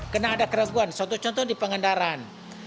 karena ada keraguan contoh contoh di pengandaran